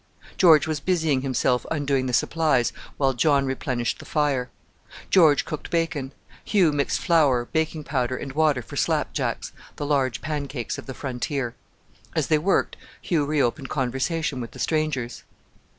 George was busying himself undoing the supplies while John replenished the fire. George cooked bacon; Hugh mixed flour, baking powder, and water for slap jacks the large pancakes of the frontier. As they worked Hugh re opened conversation with the strangers.